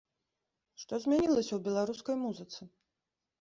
Што змянілася ў беларускай музыцы?